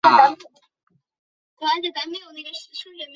本页面列出明朝自明太祖分封的岷国藩王。